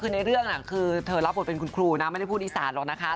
คือในเรื่องคือเธอรับบทเป็นคุณครูนะไม่ได้พูดอีสานหรอกนะคะ